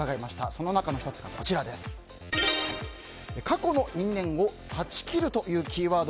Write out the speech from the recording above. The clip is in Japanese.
その中の１つが過去の因縁を断ち切るというキーワード。